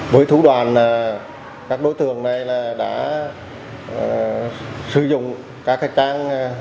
buổi thủ đoàn các đối tượng này đã sử dụng các trang